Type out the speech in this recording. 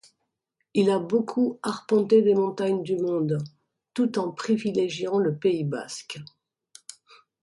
Il a beaucoup arpenté les montagnes du monde tout en privilégiant le Pays basque.